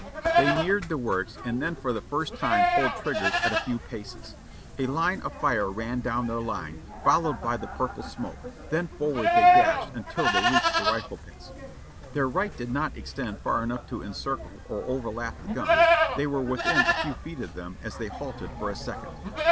They neared the works and then for the first time pulled trigg ers at a few paces. A line of fire ran down their line, followed by the purple smoke, then forward they dashed until they reached the rifle pits. "Their right did not extend far enough to encircle or overlap the guns ; they were within a few feet of them as they halted for a second.